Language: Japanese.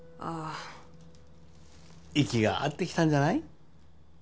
ああ息が合ってきたんじゃない？